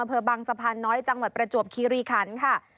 อำเภอบังสะพานน้อยจังหวัดประจวบคีรีคันค่ะ